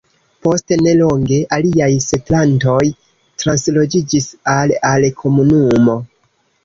Post ne longe, aliaj setlantoj transloĝiĝis al al komunumo.